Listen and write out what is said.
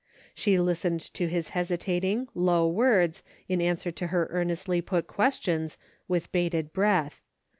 She listened to his hesitating, low words in answer to her earnestly put questions with bated breath.